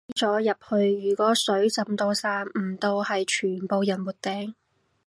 你低咗入去如果水浸到散唔到係全部人沒頂